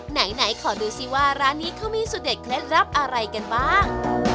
ไหนขอดูซิว่าร้านนี้เขามีสุดเด็ดเคล็ดลับอะไรกันบ้าง